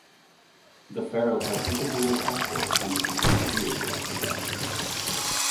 The pharaoh participated also and would become a deity after death.